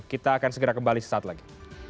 kita akan segera kembali sesaat lagi